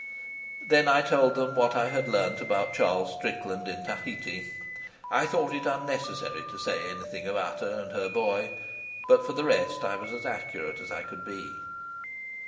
Then I told them what I had learned about Charles Strickland in Tahiti. I thought it unnecessary to say anything of Ata and her boy, but for the rest I was as accurate as I could be.